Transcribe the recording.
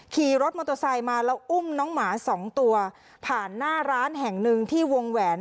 ขี่รถมอเตอร์ไซค์มาแล้วอุ้มน้องหมาสองตัวผ่านหน้าร้านแห่งหนึ่งที่วงแหวน